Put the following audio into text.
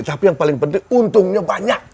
tapi yang paling penting untungnya banyak